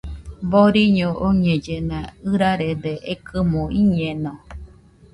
Boriño oñellena, ɨrarede ekɨmo iñeno